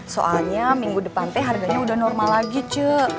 soalnya minggu depan teh harganya udah normal lagi cik